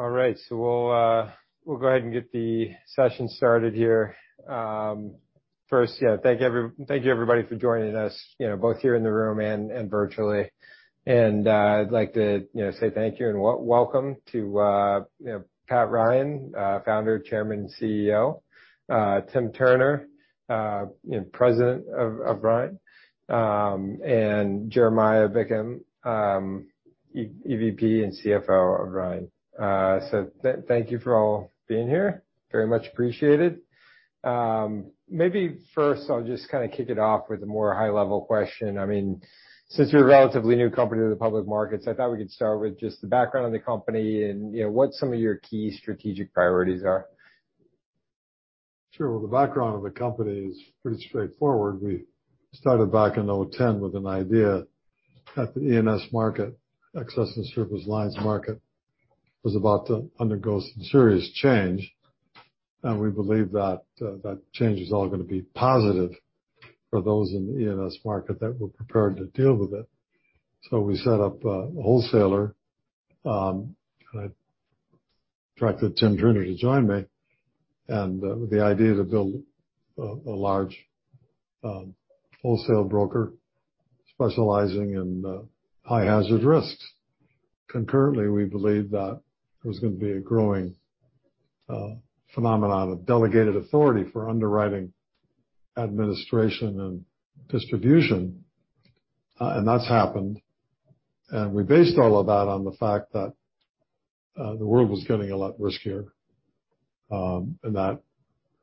All right. We'll go ahead and get the session started here. First, thank you everybody for joining us, you know, both here in the room and virtually. I'd like to, you know, say thank you and welcome to, you know, Pat Ryan, Founder, Chairman, CEO, Tim Turner, you know, President of Ryan, and Jeremiah Bickham, EVP and CFO of Ryan. So thank you for all being here, very much appreciated. Maybe first I'll just kinda kick it off with a more high-level question. I mean, since you're a relatively new company to the public markets, I thought we could start with just the background of the company and, you know, what some of your key strategic priorities are. Sure. Well, the background of the company is pretty straightforward. We started back in 2010 with an idea that the E&S market, excess and surplus lines market, was about to undergo some serious change, and we believe that that change is all gonna be positive for those in the E&S market that were prepared to deal with it. We set up a wholesaler, and I attracted Tim Turner to join me, and, with the idea to build a large wholesale broker specializing in high hazard risks. Concurrently, we believed that there was gonna be a growing phenomenon of delegated authority for underwriting, administration, and distribution, and that's happened. We based all of that on the fact that the world was getting a lot riskier, and that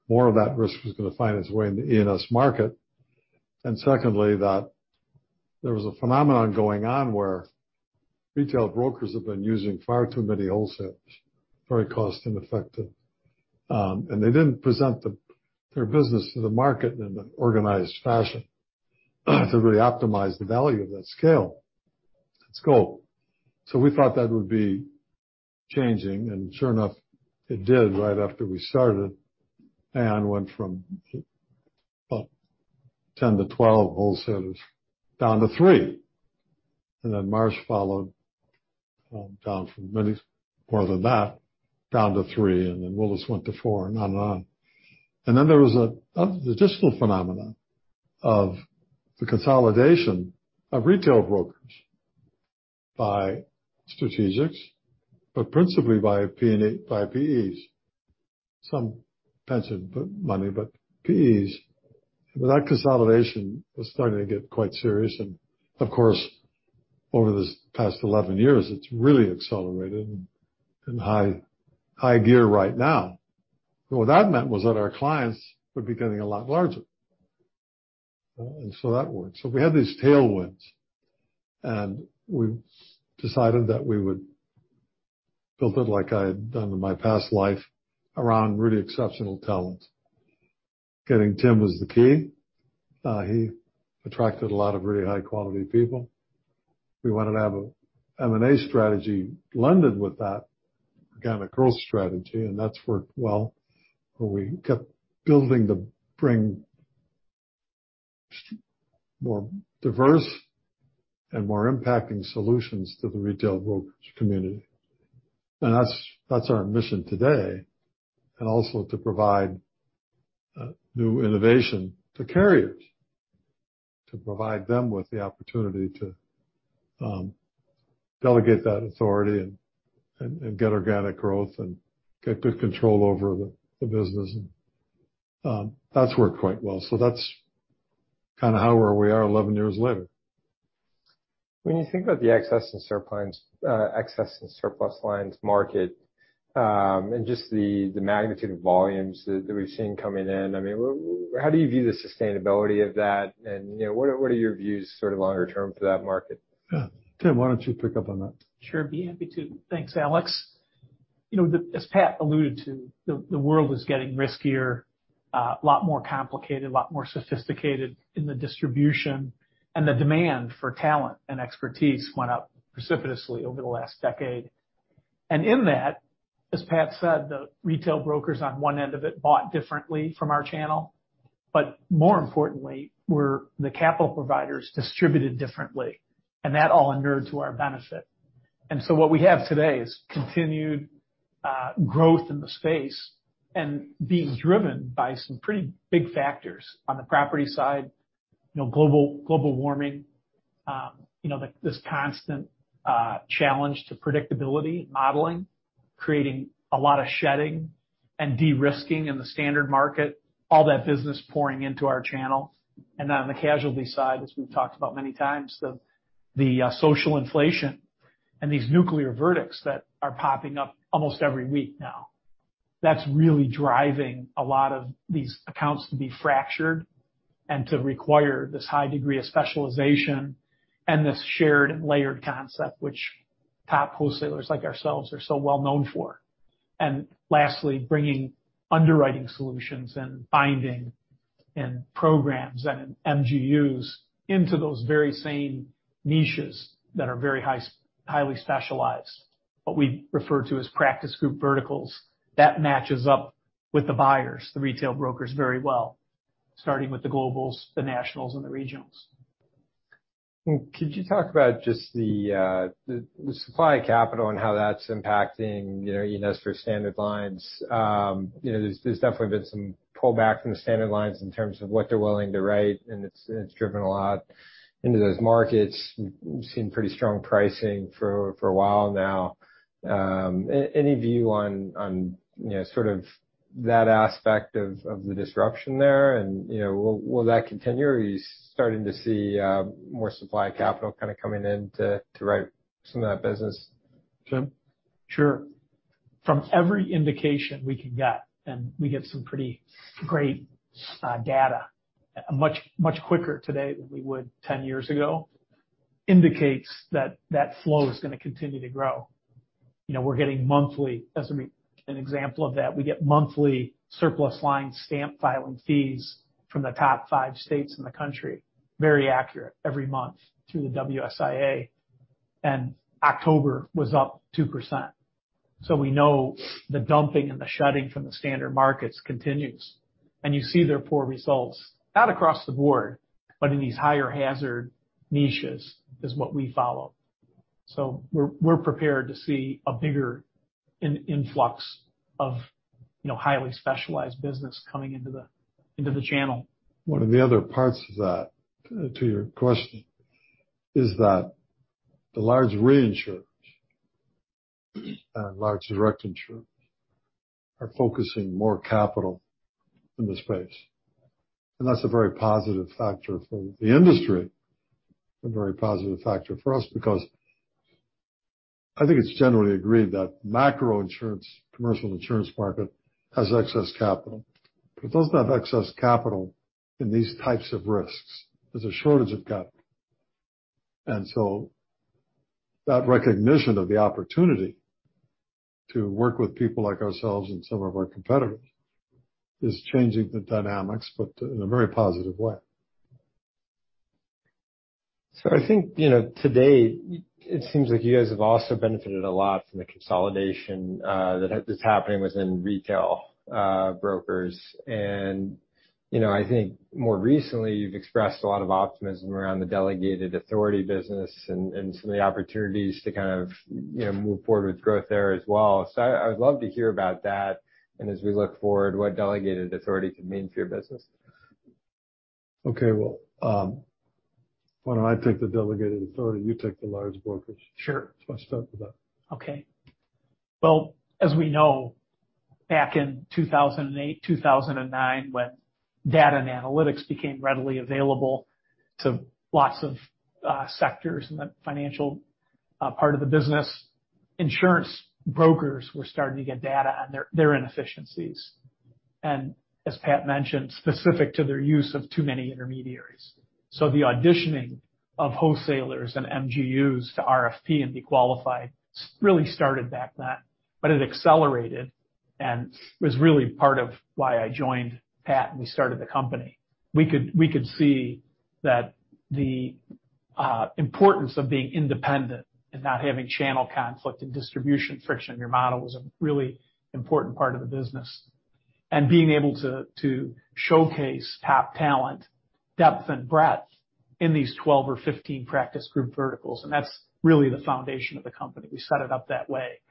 more of that risk was gonna find its way into the E&S market. Secondly, that there was a phenomenon going on where retail brokers have been using far too many wholesalers, very cost ineffective. They didn't present their business to the market in an organized fashion to really optimize the value of that scale. We thought that would be changing, and sure enough, it did right after we started. Aon went from, well, 10-12 wholesalers down to three. Then Marsh followed, down from many more than that down to three, and then Willis went to four and on and on. There was another logistical phenomenon of the consolidation of retail brokers by strategics, but principally by PEs. Some pension money, but PEs. That consolidation was starting to get quite serious and of course, over this past 11 years, it's really accelerated and in high gear right now. What that meant was that our clients were becoming a lot larger. That worked. We had these tailwinds, and we decided that we would build it like I had done in my past life around really exceptional talent. Getting Tim was the key. He attracted a lot of really high-quality people. We wanted to have a M&A strategy blended with that organic growth strategy, and that's worked well, where we kept building to bring more diverse and more impacting solutions to the retail brokerage community. That's our mission today, and also to provide new innovation to carriers. To provide them with the opportunity to delegate that authority and get organic growth and get good control over the business. That's worked quite well. That's kind of how we're where we are 11 years later. When you think about the excess and surplus lines market, and just the magnitude of volumes that we've seen coming in, I mean, how do you view the sustainability of that? You know, what are your views sort of longer term for that market? Yeah. Tim, why don't you pick up on that? Sure, be happy to. Thanks, Alex. You know, as Pat alluded to, the world was getting riskier, a lot more complicated, a lot more sophisticated in the distribution, and the demand for talent and expertise went up precipitously over the last decade. In that, as Pat said, the retail brokers on one end of it bought differently from our channel, but more importantly, were the capital providers distributed differently, and that all inured to our benefit. What we have today is continued growth in the space and being driven by some pretty big factors. On the property side, you know, global warming, you know, this constant challenge to predictability modeling, creating a lot of shedding and de-risking in the standard market, all that business pouring into our channel. Then on the casualty side, as we've talked about many times, the social inflation and these nuclear verdicts that are popping up almost every week now. That's really driving a lot of these accounts to be fractured and to require this high degree of specialization and this shared layered concept, which top wholesalers like ourselves are so well known for. Lastly, bringing underwriting solutions and binding and programs and MGUs into those very same niches that are highly specialized, what we refer to as practice group verticals, that matches up with the buyers, the retail brokers very well, starting with the global, the nationals, and the regionals. Could you talk about just the supply capital and how that's impacting, you know, standard lines? You know, there's definitely been some pullback from the standard lines in terms of what they're willing to write, and it's driven a lot into those markets. We've seen pretty strong pricing for a while now. Any view on, you know, sort of that aspect of the disruption there and, you know, will that continue? Or are you starting to see more supply capital kind of coming in to write some of that business? Tim? Sure. From every indication we can get, and we get some pretty great data much quicker today than we would 10 years ago, indicates that that flow is gonna continue to grow. You know, we're getting monthly as an example of that. We get monthly surplus lines stamping fees from the top five states in the country, very accurate every month through the WSIA, and October was up 2%. We know the dumping and the shutting from the standard markets continues. You see their poor results, not across the board, but in these higher hazard niches is what we follow. We're prepared to see a bigger influx of, you know, highly specialized business coming into the channel. One of the other parts of that, to your question is that the large reinsurers and large direct insurers are focusing more capital in the space. That's a very positive factor for the industry and a very positive factor for us because I think it's generally agreed that macro insurance, commercial insurance market has excess capital. It doesn't have excess capital in these types of risks. There's a shortage of capital. That recognition of the opportunity to work with people like ourselves and some of our competitors is changing the dynamics, but in a very positive way. I think, you know, today it seems like you guys have also benefited a lot from the consolidation that is happening within retail brokers. You know, I think more recently, you've expressed a lot of optimism around the delegated authority business and some of the opportunities to kind of, you know, move forward with growth there as well. I would love to hear about that and as we look forward, what delegated authority could mean for your business. Okay. Well, why don't I take the delegated authority, you take the large brokers. Sure. Let's start with that. Okay. Well, as we know, back in 2008, 2009, when data and analytics became readily available to lots of sectors in the financial part of the business, insurance brokers were starting to get data on their inefficiencies. As Pat mentioned, specific to their use of too many intermediaries. The auditioning of wholesalers and MGUs to RFP and be qualified seriously started back then, but it accelerated and was really part of why I joined Pat, and we started the company. We could see that the importance of being independent and not having channel conflict and distribution friction in your model was a really important part of the business. Being able to showcase top talent, depth and breadth in these 12 or 15 practice group verticals, and that's really the foundation of the company. We set it up that way,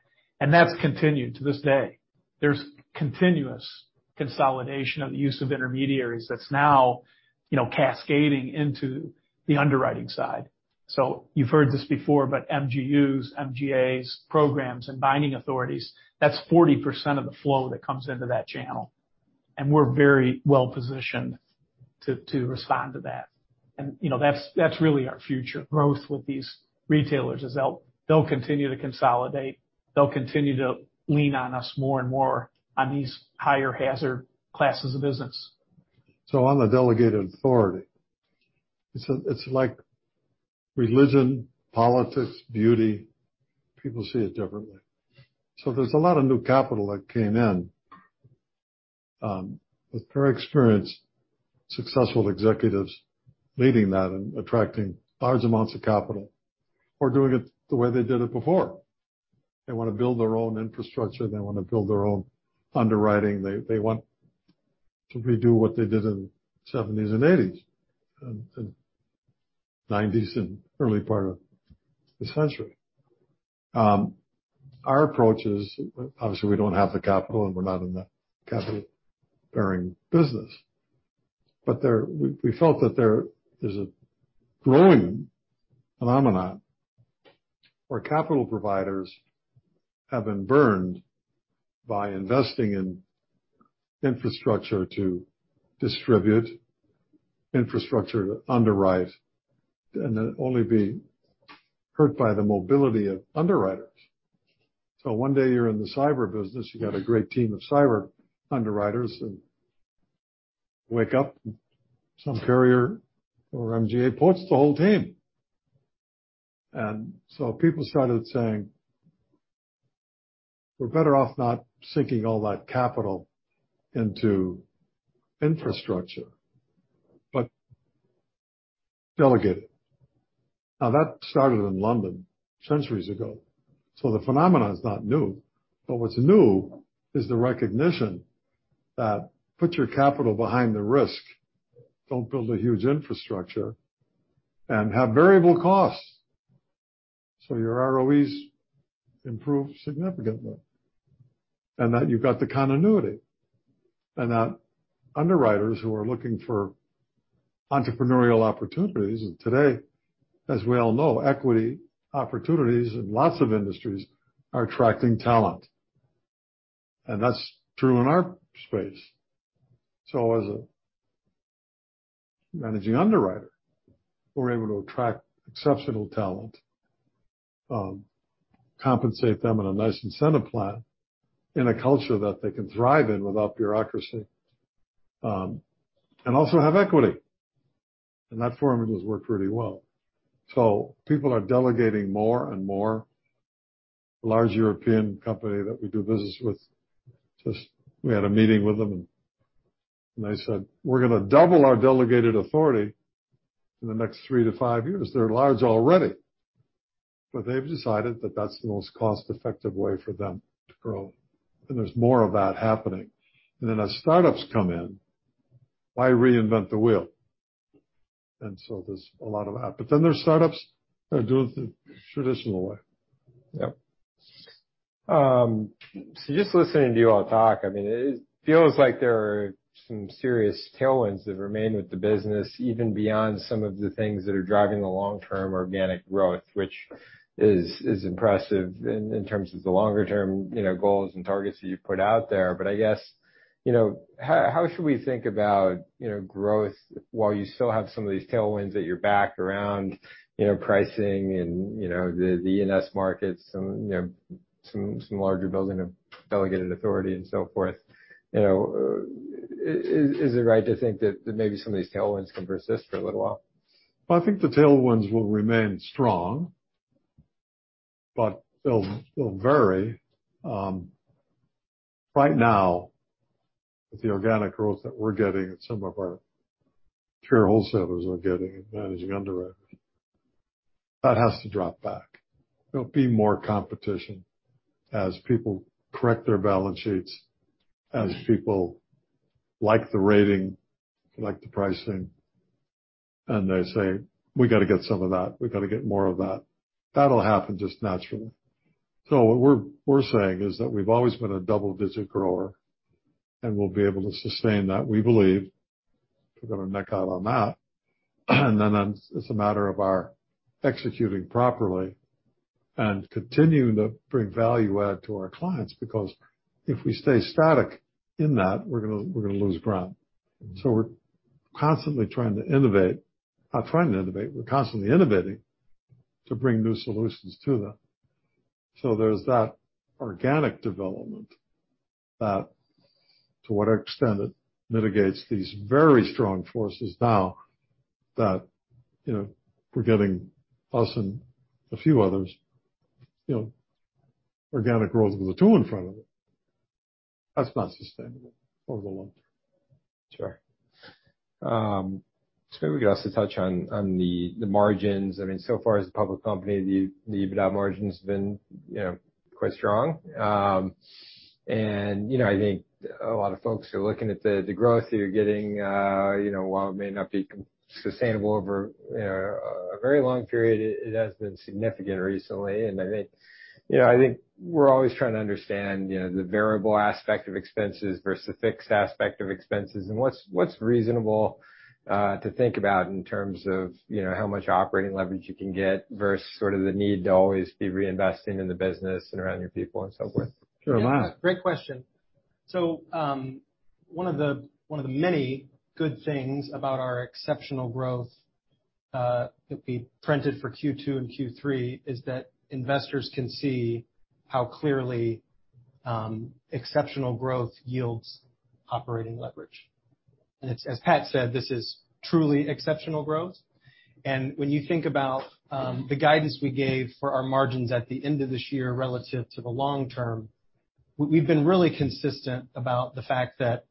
and that's continued to this day. There's continuous consolidation of the use of intermediaries that's now, you know, cascading into the underwriting side. You've heard this before, but MGUs, MGAs, programs, and binding authorities, that's 40% of the flow that comes into that channel, and we're very well-positioned to respond to that. You know, that's really our future growth with these retailers, is they'll continue to consolidate, they'll continue to lean on us more and more on these higher hazard classes of business. On the delegated authority, it's like religion, politics, beauty, people see it differently. There's a lot of new capital that came in with very experienced, successful executives leading that and attracting large amounts of capital or doing it the way they did it before. They wanna build their own infrastructure, they wanna build their own underwriting. They want to redo what they did in 1970s and 1980s and 1990s and early part of this century. Our approach is, obviously, we don't have the capital, and we're not in the capital-bearing business, but we felt that there is a growing phenomenon where capital providers have been burned by investing in infrastructure to distribute, infrastructure to underwrite, and then only be hurt by the mobility of underwriters. One day you're in the cyber business, you got a great team of cyber underwriters and wake up, some carrier or MGA poaches the whole team. People started saying, "We're better off not sinking all that capital into infrastructure, but delegate it." Now, that started in London centuries ago, so the phenomenon is not new. What's new is the recognition that put your capital behind the risk. Don't build a huge infrastructure and have variable costs, so your ROEs improve significantly. That you've got the continuity. That underwriters who are looking for entrepreneurial opportunities, and today, as we all know, equity opportunities in lots of industries are attracting talent, and that's true in our space. As a managing underwriter, we're able to attract exceptional talent, compensate them on a nice incentive plan in a culture that they can thrive in without bureaucracy, and also have equity. That formula has worked really well. People are delegating more and more. A large European company that we do business with, we had a meeting with them, and they said, "We're going to double our delegated authority in the next three to five years." They're large already, but they've decided that that's the most cost-effective way for them to grow. There's more of that happening. As startups come in, why reinvent the wheel? There's a lot of that. There's startups that are doing it the traditional way. Yep. Just listening to you all talk, I mean, it feels like there are some serious tailwinds that remain with the business, even beyond some of the things that are driving the long-term organic growth, which is impressive in terms of the longer term, you know, goals and targets that you've put out there. I guess, you know, how should we think about, you know, growth while you still have some of these tailwinds at your back around, you know, pricing and, you know, the E&S markets and, you know, some larger building of delegated authority and so forth? You know, is it right to think that maybe some of these tailwinds can persist for a little while? Well, I think the tailwinds will remain strong, but they'll vary. Right now, with the organic growth that we're getting and some of our pure wholesalers are getting and managing underwriters, that has to drop back. There'll be more competition as people correct their balance sheets, as people like the rating, like the pricing, and they say, "We gotta get some of that. We gotta get more of that." That'll happen just naturally. What we're saying is that we've always been a double-digit grower, and we'll be able to sustain that, we believe. Put our neck out on that. It's a matter of our executing properly and continuing to bring value add to our clients because if we stay static in that, we're gonna lose ground. We're constantly trying to innovate. Not trying to innovate. We're constantly innovating to bring new solutions to them. There's that organic development that to what extent it mitigates these very strong forces now that, you know, we're getting 20s and a few others, you know, organic growth with a two in front of it. That's not sustainable over the long term. Sure. Just maybe we could also touch on the margins. I mean, so far as a public company, the EBITDA margin's been, you know, quite strong. I think a lot of folks are looking at the growth that you're getting. You know, while it may not be sustainable over, you know, a very long period, it has been significant recently. I think we're always trying to understand, you know, the variable aspect of expenses versus the fixed aspect of expenses and what's reasonable to think about in terms of, you know, how much operating leverage you can get versus sort of the need to always be reinvesting in the business and around your people and so forth. Sure. Jeremiah? Great question. One of the many good things about our exceptional growth that we printed for Q2 and Q3 is that investors can see how clearly exceptional growth yields operating leverage. It's, as Pat said, truly exceptional growth. When you think about the guidance we gave for our margins at the end of this year relative to the long term, we've been really consistent about the fact that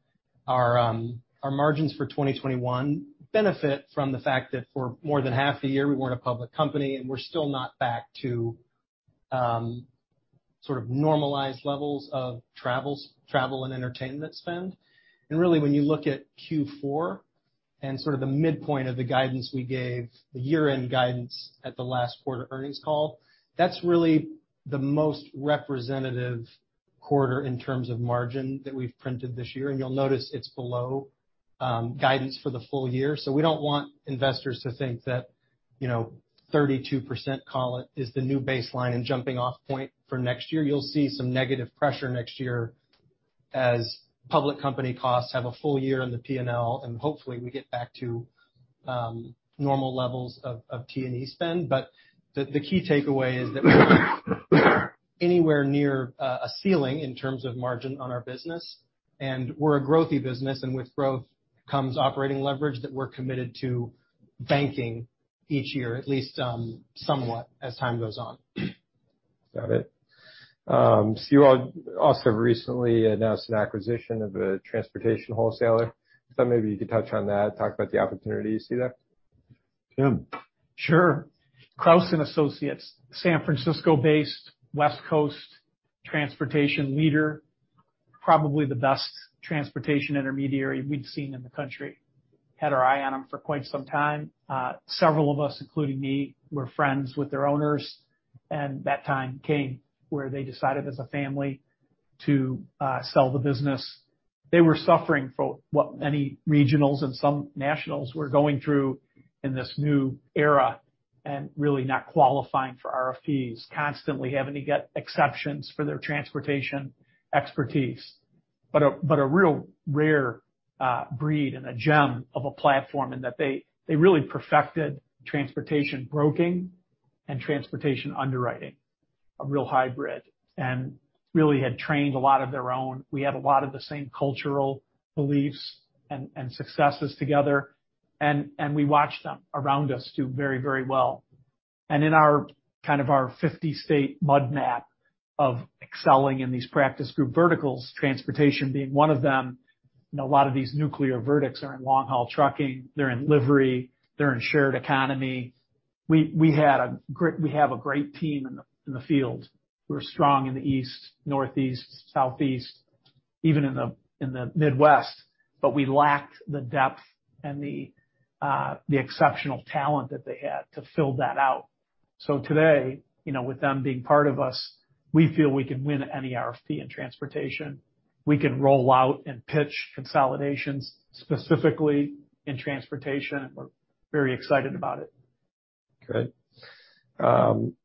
our margins for 2021 benefit from the fact that for more than half the year, we weren't a public company, and we're still not back to sort of normalized levels of travel and entertainment spend. Really, when you look at Q4 and sort of the midpoint of the guidance we gave, the year-end guidance at the last quarter earnings call, that's really the most representative quarter in terms of margin that we've printed this year. You'll notice it's below guidance for the full year. We don't want investors to think that, you know, 32% call it is the new baseline and jumping off point for next year. You'll see some negative pressure next year as public company costs have a full year in the P&L, and hopefully, we get back to normal levels of T&E spend. The key takeaway is that we're not anywhere near a ceiling in terms of margin on our business. We're a growthy business, and with growth comes operating leverage that we're committed to banking each year, at least somewhat as time goes on. Got it. You all also recently announced an acquisition of a transportation wholesaler. I thought maybe you could touch on that, talk about the opportunity you see there. Tim. Sure. Crouse & Associates, San Francisco-based West Coast transportation leader, probably the best transportation intermediary we'd seen in the country. Had our eye on them for quite some time. Several of us, including me, were friends with their owners, and that time came where they decided as a family to sell the business. They were suffering for what many regionals and some nationals were going through in this new era and really not qualifying for RFPs, constantly having to get exceptions for their transportation expertise. But a real rare breed and a gem of a platform in that they really perfected transportation broking and transportation underwriting, a real hybrid, and really had trained a lot of their own. We had a lot of the same cultural beliefs and successes together. We watched them around us do very, very well. In our kind of 50-state mud map of excelling in these practice group verticals, transportation being one of them, and a lot of these nuclear verdicts are in long-haul trucking, they're in livery, they're in shared economy. We have a great team in the field. We're strong in the East, Northeast, Southeast, even in the Midwest, but we lacked the depth and the exceptional talent that they had to fill that out. Today, you know, with them being part of us, we feel we can win any RFP in transportation. We can roll out and pitch consolidations, specifically in transportation. We're very excited about it. Good.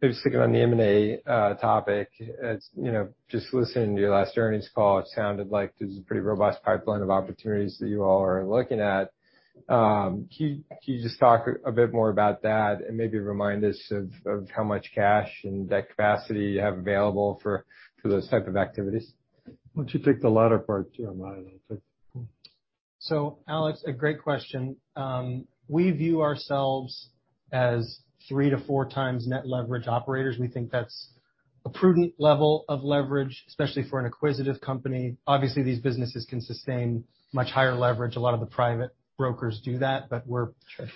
Just sticking on the M&A topic. As you know, just listening to your last earnings call, it sounded like there's a pretty robust pipeline of opportunities that you all are looking at. Can you just talk a bit more about that and maybe remind us of how much cash and debt capacity you have available for those types of activities? Why don't you take the latter part, Jeremiah, then I'll take. Alex, a great question. We view ourselves as 3-4x net leverage operators. We think that's a prudent level of leverage, especially for an acquisitive company. Obviously, these businesses can sustain much higher leverage. A lot of the private brokers do that, but we're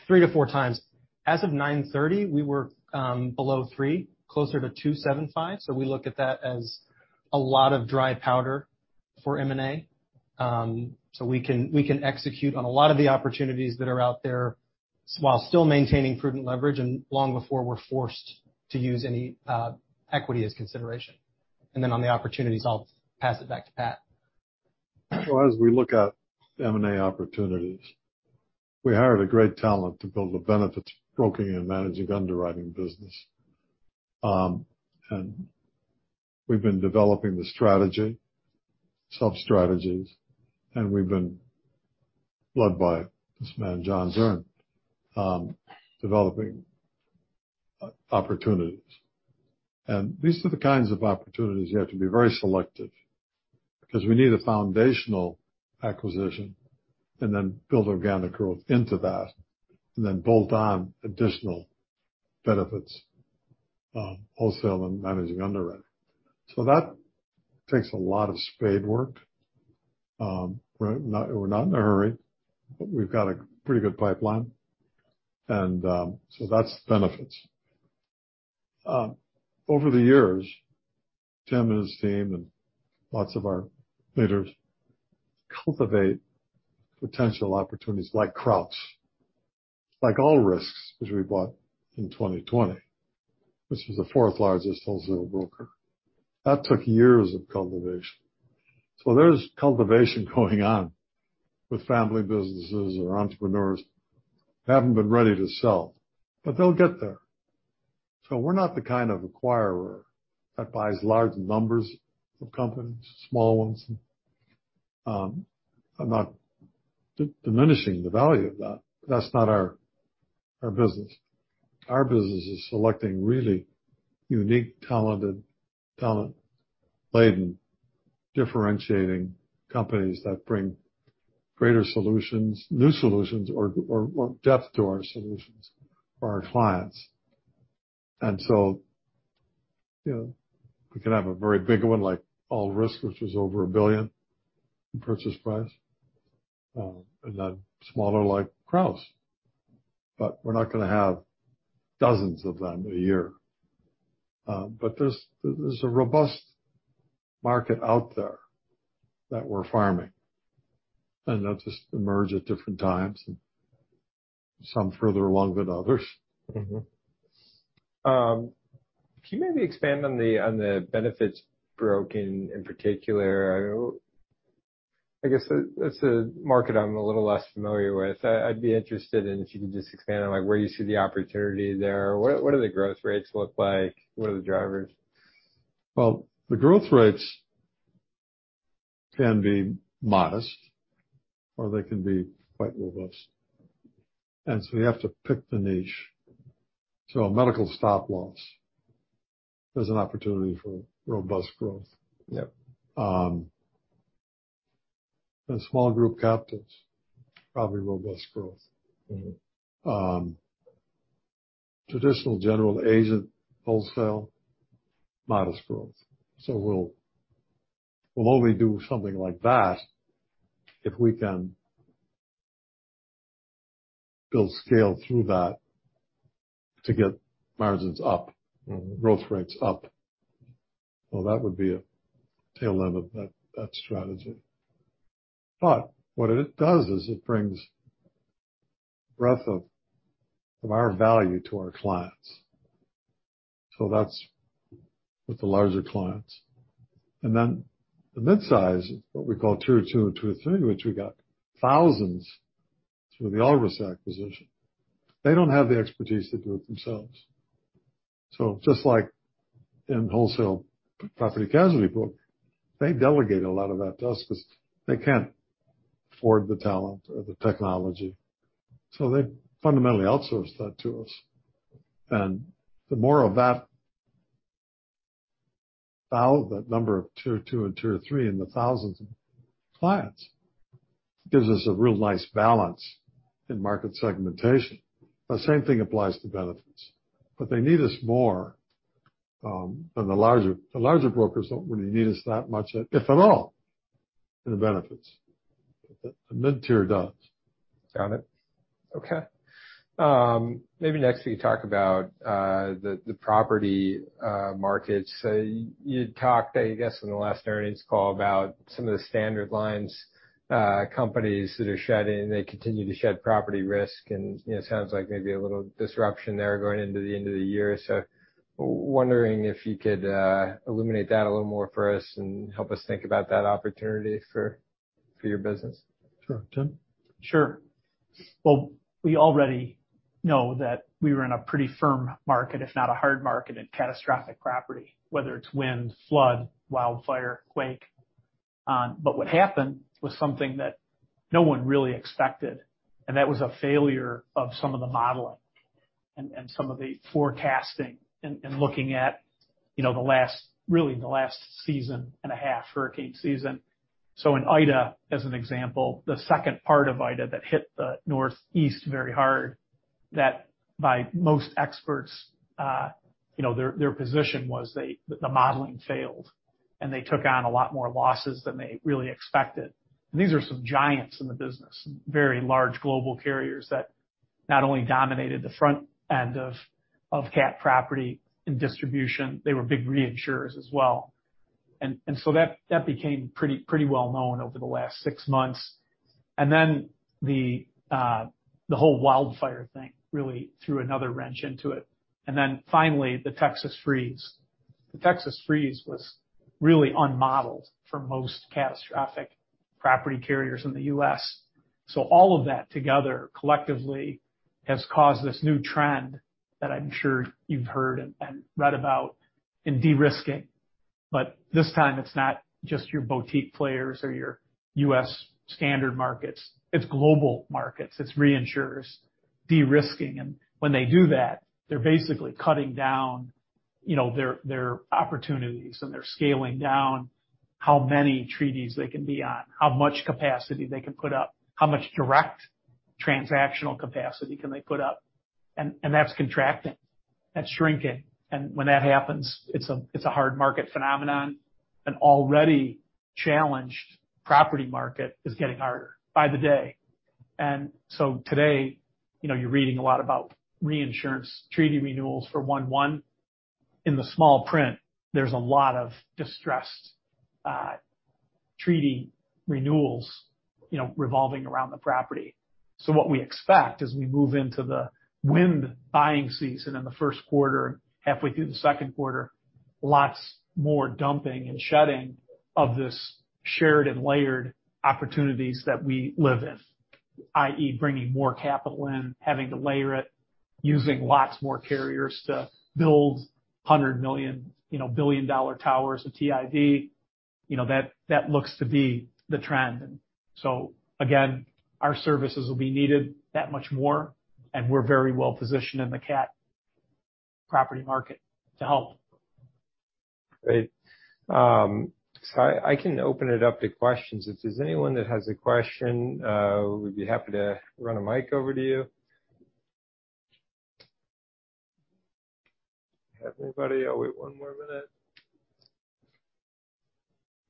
3-4x. As of 9:30, we were below 3x, closer to 2.75x. We look at that as a lot of dry powder for M&A. We can execute on a lot of the opportunities that are out there while still maintaining prudent leverage and long before we're forced to use any equity as consideration. Then on the opportunities, I'll pass it back to Pat. Well, as we look at M&A opportunities, we hired a great talent to build a benefits broking and managing underwriting business. We've been developing the strategy, sub-strategies, and we've been led by this man, John Zern, developing opportunities. These are the kinds of opportunities you have to be very selective because we need a foundational acquisition and then build organic growth into that, and then bolt on additional benefits, wholesale and managing underwriting. That takes a lot of spade work. We're not in a hurry, but we've got a pretty good pipeline. That's the benefits. Over the years, Tim and his team and lots of our leaders cultivate potential opportunities like Crouse. Like All Risks, which we bought in 2020, which was the fourth largest wholesale broker. That took years of cultivation. There's cultivation going on with family businesses or entrepreneurs who haven't been ready to sell, but they'll get there. We're not the kind of acquirer that buys large numbers of companies, small ones. I'm not diminishing the value of that. That's not our business. Our business is selecting really unique, talented, talent-laden, differentiating companies that bring greater solutions, new solutions or depth to our solutions for our clients. You know, we can have a very big one like All Risks, which was over $1 billion in purchase price, and then smaller like Crouse. We're not gonna have dozens of them a year. There's a robust market out there that we're farming, and they'll just emerge at different times, and some further along than others. Can you maybe expand on the benefits broking in particular? I guess it's a market I'm a little less familiar with. I'd be interested in if you could just expand on, like, where you see the opportunity there. What do the growth rates look like? What are the drivers? Well, the growth rates can be modest, or they can be quite robust. We have to pick the niche. A medical stop loss is an opportunity for robust growth. Yep. Small group captives, probably robust growth. Mm-hmm. Traditional general agent wholesale, modest growth. We'll only do something like that if we can build scale through that to get margins up, growth rates up. Well, that would be a tail end of that strategy. What it does is it brings breadth of our value to our clients. That's with the larger clients. Then the mid-size, what we call tier 2 or tier 3, which we got thousands through the Oliver's acquisition, they don't have the expertise to do it themselves. Just like in wholesale property casualty book, they delegate a lot of that to us cause they can't afford the talent or the technology, so they fundamentally outsource that to us. The more of that that number of tier 2 and tier 3 in the thousands of clients gives us a real nice balance in market segmentation. The same thing applies to benefits, but they need us more. The larger brokers don't really need us that much, if at all, for the benefits. The mid-tier does. Got it. Okay. Maybe next, can you talk about the property markets. You talked, I guess, in the last earnings call about some of the standard lines companies that are shedding. They continue to shed property risk and, you know, sounds like maybe a little disruption there going into the end of the year. Wondering if you could illuminate that a little more for us and help us think about that opportunity for your business. Sure. Tim? Sure. Well, we already know that we were in a pretty firm market, if not a hard market, in catastrophic property, whether it's wind, flood, wildfire, quake. But what happened was something that no one really expected, and that was a failure of some of the modeling and some of the forecasting and looking at, you know, the last, really the last season and a half hurricane season. In Ida, as an example, the second part of Ida that hit the Northeast very hard, that by most experts, you know, their position was the modeling failed, and they took on a lot more losses than they really expected. These are some giants in the business, very large global carriers that not only dominated the front end of cat property and distribution, but they were also big reinsurers as well. That became pretty well known over the last six months. The whole wildfire thing really threw another wrench into it. The Texas freeze was really unmodeled for most catastrophic property carriers in the U.S. All of that together collectively has caused this new trend that I'm sure you've heard and read about in de-risking. This time it's not just your boutique players or your U.S. standard markets, its global markets, it's reinsurers de-risking. When they do that, they're basically cutting down, you know, their opportunities and they're scaling down how many treaties they can be on, how much capacity they can put up, how much direct transactional capacity can they put up. That's contracting. That's shrinking. When that happens, it's a hard market phenomenon. An already challenged property market is getting harder by the day. Today, you know, you're reading a lot about reinsurance treaty renewals for one-one. In the small print, there's a lot of distressed treaty renewals, you know, revolving around the property. What we expect as we move into the wind buying season in the first quarter, halfway through the second quarter, lots more dumping and shedding of this shared and layered opportunities that we live in, i.e., bringing more capital in, having to layer it, using lots more carriers to build $100 million, you know, $1 billion towers of TIV. You know, that looks to be the trend. Again, our services will be needed that much more, and we're very well positioned in the cat property market to help. Great. I can open it up to questions. If there's anyone that has a question, we'd be happy to run a mic over to you. Have anybody? I'll wait one more minute.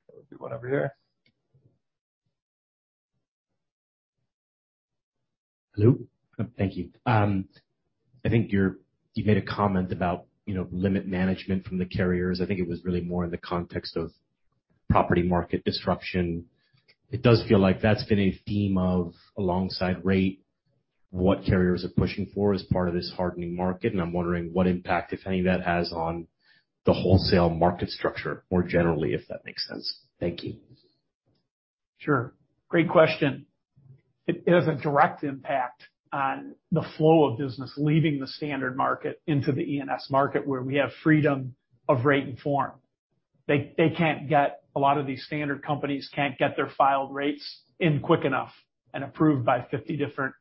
There will be one over here. Hello. Thank you. I think you made a comment about, you know, limit management from the carriers. I think it was really more in the context of property market disruption. It does feel like that's been a theme of, alongside rate, what carriers are pushing for as part of this hardening market. I'm wondering what impact, if any, that has on the wholesale market structure more generally, if that makes sense. Thank you. Sure. Great question. It has a direct impact on the flow of business leaving the standard market into the E&S market where we have freedom of rate and form. A lot of these standard companies can't get their filed rates in quickly enough and approved by 50 different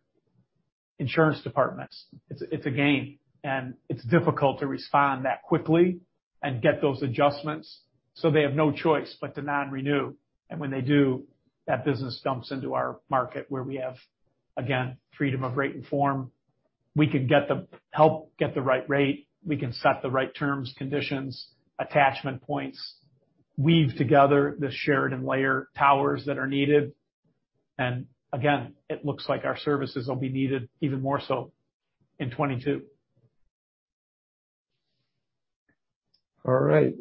insurance departments. It's a game, and it's difficult to respond that quickly and get those adjustments, so they have no choice but to non-renew. When they do, that business dumps into our market where we have, again, freedom of rate and form. We could help get the right rate. We can set the right terms, conditions, attachment points, weave together the shared and layered towers that are needed. Again its looks like our services will be needed even more so in 2022. All right.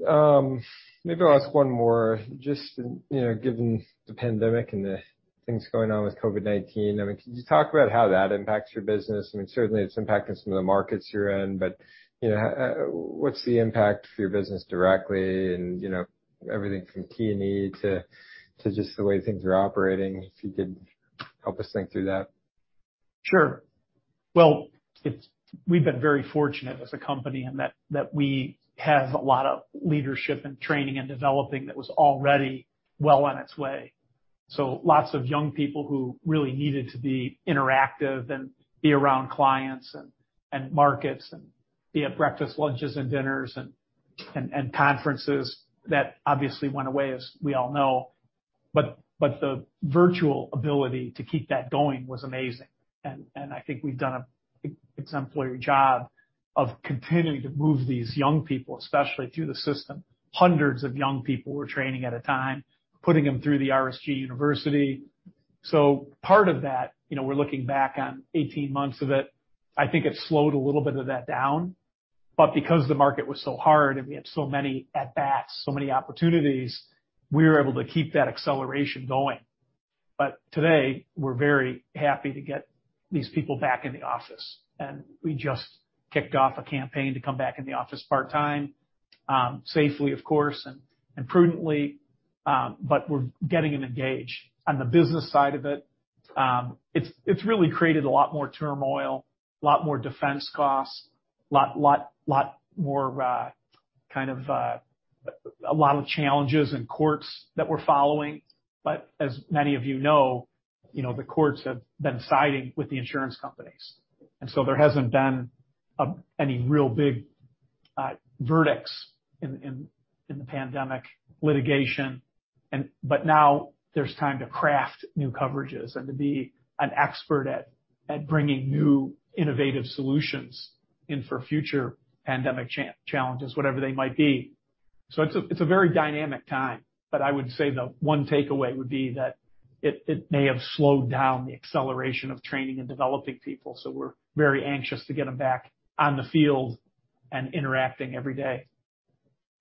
Maybe I'll ask one more just, you know, given the pandemic and the things going on with COVID-19. I mean, can you talk about how that impacts your business? I mean, certainly it's impacting some of the markets you're in, but, you know, what's the impact to your business directly and, you know, everything from T&E to just the way things are operating, if you could help us think through that. Sure. Well, we've been very fortunate as a company in that we have a lot of leadership and training and developing that was already well on its way. Lots of young people who really needed to be interactive and be around clients and markets and be at breakfast, lunches, and dinners and conferences that obviously went away, as we all know. The virtual ability to keep that going was amazing. I think we've done an exemplary job of continuing to move these young people, especially through the system. Hundreds of young people we're training at a time, putting them through the RSG University. Part of that, you know, we're looking back on 18 months of it. I think it slowed a little bit of that down. Because the market was so hard, and we had so many at-bats, so many opportunities, we were able to keep that acceleration going. Today, we're very happy to get these people back in the office. We just kicked off a campaign to come back in the office part-time, safely, of course, and prudently, but we're getting them engaged. On the business side of it's really created a lot more turmoil, a lot more defense costs, lot more kind of a lot of challenges in courts that we're following. As many of you know, you know, the courts have been siding with the insurance companies. There hasn't been any real big verdicts in the pandemic litigation. now there's time to craft new coverages and to be an expert at bringing new innovative solutions in for future pandemic challenges, whatever they might be. It's a very dynamic time, but I would say the one takeaway would be that it may have slowed down the acceleration of training and developing people, so we're very anxious to get them back on the field and interacting every day.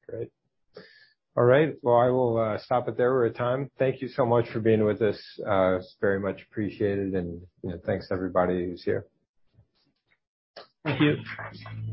Great. All right. Well, I will stop it there. We're at time. Thank you so much for being with us. It's very much appreciated, and, you know, thanks to everybody who's here. Thank you.